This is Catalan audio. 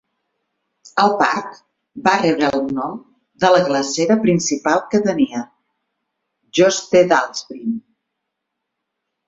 El parc va rebre el nom de la glacera principal que tenia, Jostedalsbreen.